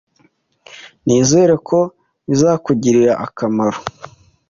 Nizere ko bizakugirira akamaro, .